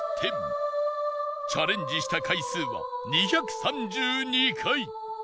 チャレンジした回数は２３２回